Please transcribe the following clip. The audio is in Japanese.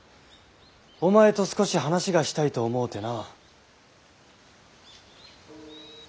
お前と少し話がしたいと思うてな。